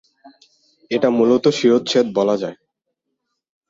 এটা মূলত শিরচ্ছেদ বলা যায়।